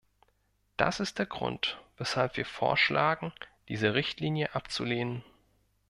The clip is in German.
Das ist der Grund, weshalb wir vorschlagen, diese Richtlinie abzulehnen.